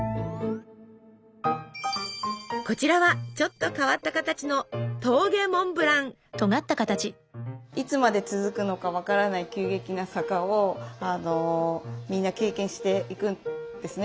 こちらはちょっと変わった形のいつまで続くのか分からない急激な坂をみんな経験していくんですね。